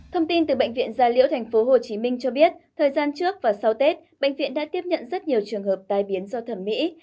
thông tin từ bệnh viện gia liễu tp hcm cho biết thời gian trước và sau tết bệnh viện đã tiếp nhận rất nhiều trường hợp tai biến do thẩm mỹ